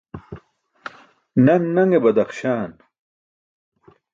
Naṅ naṅe badaxśaan.